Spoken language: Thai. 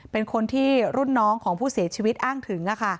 เป็นคนที่รุ่นน้องของผู้เสียชีวิตอ้างถึง